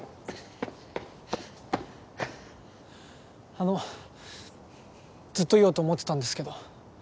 あのずっと言おうと思ってたんですけど。